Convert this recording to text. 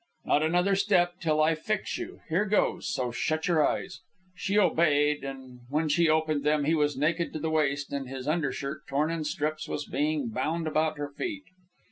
"Not another step till I fix you. Here goes, so shut your eyes." She obeyed, and when she opened them he was naked to the waist, and his undershirt, torn in strips, was being bound about her feet.